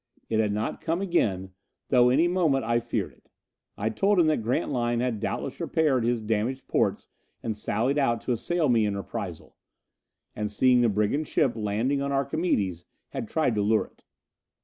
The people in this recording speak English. It had not come again, though any moment I feared it. I told him that Grantline had doubtless repaired his damaged portes and sallied out to assail me in reprisal. And seeing the brigand ship landing on Archimedes, had tried to lure it.